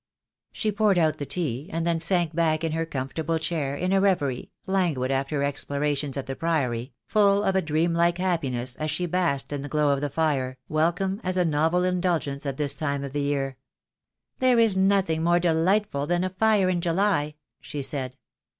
She poured out the tea, and then sank back in her comfortable chair, in a reverie, languid after her explora tions at the Priory, full of a dreamlike happiness as she basked in the glow of the fire, welcome as a novel in dulgence at this time of the year. "There is nothing more delightful than a fire in July," she said.